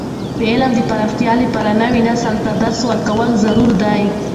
د علم د پراختیا لپاره، نوي نسل ته درس ورکول ضروري دي.